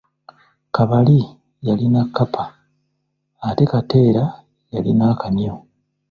Kabali yalina kkapa ate Kateera yalina akamyu.